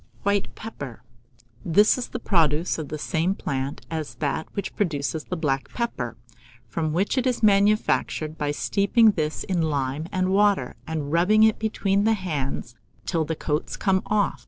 WHITE PEPPER. This is the produce of the same plant as that which produces the black pepper, from which it is manufactured by steeping this in lime and water, and rubbing it between the hands till the coats come off.